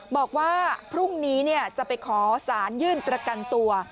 บอกว่าพรุ่งนี้จะไปขอสารยื่นประกันตัว